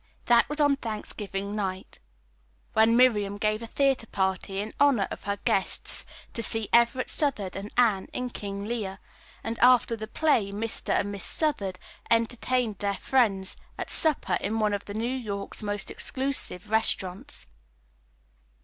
That was on Thanksgiving night, when Miriam gave a theatre party in honor of her guests to see Everett Southard and Anne in "King Lear," and after the play Mr. and Miss Southard entertained their friends at supper in one of New York's most exclusive restaurants.